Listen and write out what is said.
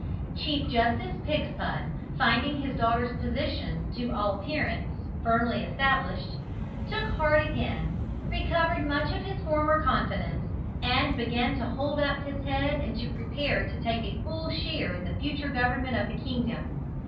Chief Justice Pigspud, finding his daughter's position, to all appearance, firmly established, took heart again, recovered much of his former confidence, and began to hold up his head and to prepare to take a full share in the future government of the kingdom.